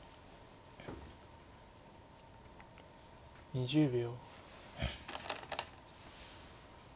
２０秒。